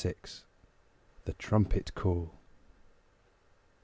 THE TRUMPET CALL.